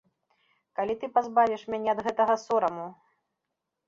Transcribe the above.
Калі ты пазбавіш мяне ад гэтага сораму?